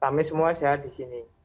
kami semua sehat di sini